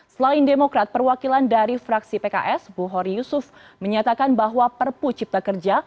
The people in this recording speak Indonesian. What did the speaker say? selain demokrat perwakilan dari fraksi pks buhori yusuf menyatakan bahwa perpu cipta kerja